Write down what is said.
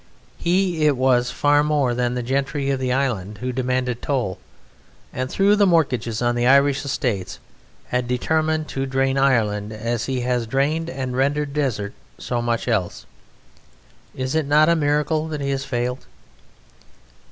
He it was far more than the gentry of the island who demanded toll, and, through the mortgages on the Irish estates, had determined to drain Ireland as he has drained and rendered desert so much else. Is it not a miracle that he has failed?